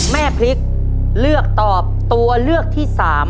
แม่พริกเลือกตอบตัวเลือกที่๓